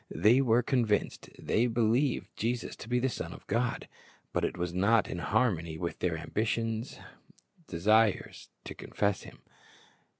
^ They were convinced; they believed Jesus to be the Son of God; but it was not in harmony with their ambitious desires to confess Him.